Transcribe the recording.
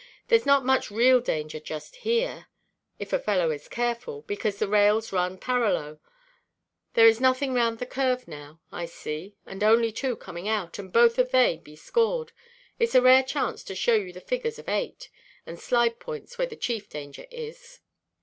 There is not much real danger just here, if a fellow is careful, because the rails run parallo; there is nothing round the curve now, I see, and only two coming out, and both of they be scored; itʼs a rare chance to show you the figures of eight, and slide–points where the chief danger is.